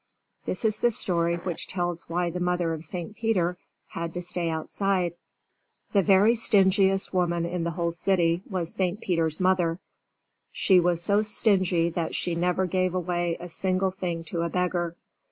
This is the story which tells why the mother of St. Peter had to stay outside: The very stingiest woman in the whole city was St. Peter's mother. She was so stingy that she never gave away a single thing to a beggar.